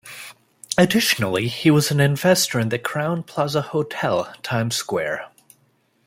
Additionally, he was an investor in the Crowne Plaza Hotel, Times Square.